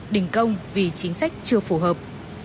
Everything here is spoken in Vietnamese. đình công vì chính sách chưa phù hợp